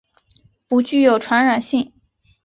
不具有传染性。